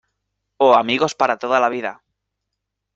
o amigos para toda la vida.